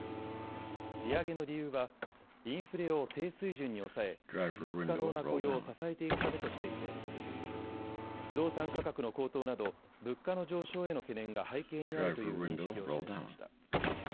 利上げの理由はインフレを低水準に抑え、持続可能な雇用を支えていくためとしていて不動産価格の高騰など物価の上昇への懸念が背景にあるという認識を示しました。